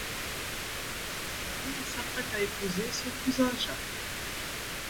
Jeanne s'apprête à épouser son cousin Jacques.